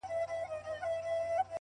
حقیقت د اوږدې مودې لپاره پټ نه پاتې کېږي